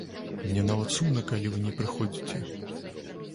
Мне нават сумна, калі вы не прыходзіце.